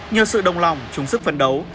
nhờ sự đồng lòng trùng sức phấn đấu